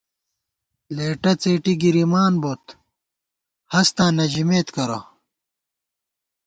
لېٹہ څېٹی گِرِمان بوت ، ہستاں نہ ژِمېت کرہ